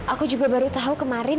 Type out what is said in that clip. aku juga baru tahu kemarin